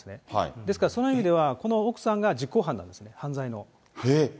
ですから、その意味ではこの奥さんが実行犯なんですよ、犯罪の。